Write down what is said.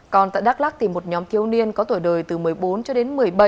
còn tại đắk lắc thì một nhóm thiếu niên có tuổi đời từ một mươi bốn cho đến một mươi bảy